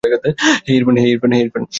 হেই, Irfan.